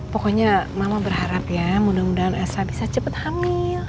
pokoknya mama berharap ya mudah mudahan esa bisa cepat hamil